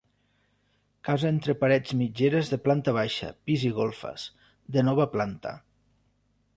Casa entre parets mitgeres de planta baixa, pis i golfes, de nova planta.